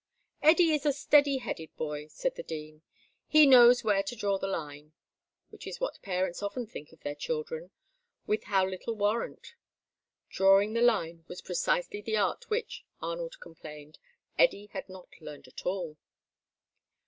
"Eddy is a steady headed boy," said the Dean. "He knows where to draw the line." Which is what parents often think of their children, with how little warrant! Drawing the line was precisely the art which, Arnold complained, Eddy had not learnt at all.